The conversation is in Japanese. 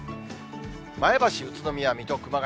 前橋、宇都宮、水戸、熊谷。